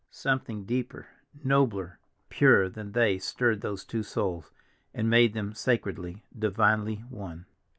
Something deeper, nobler, purer than they stirred those two souls, and made them sacredly, divinely one.